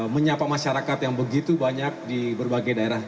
menyapa masyarakat yang begitu banyak di berbagai daerah